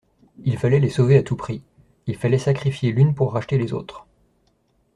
Il fallait les sauver à tout prix ; il fallait sacrifier l'une pour racheter les autres.